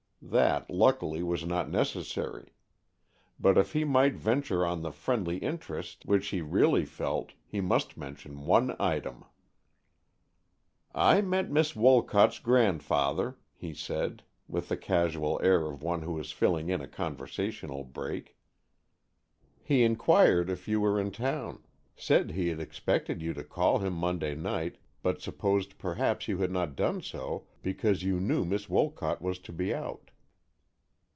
That, luckily, was not necessary. But if he might venture on the friendly interest which he really felt, he must mention one item. "I met Miss Wolcott's grandfather," he said, with the casual air of one who is filling in a conversational break. "He inquired if you were in town, said he had expected you to call Monday night, but supposed perhaps you had not done so, because you knew Miss Wolcott was to be out."